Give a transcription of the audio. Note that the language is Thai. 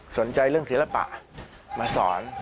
สนใจเรื่องศิลปะมาสอน